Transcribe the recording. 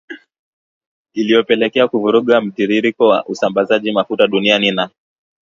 iliyopelekea kuvuruga mtiririko wa usambazaji mafuta duniani na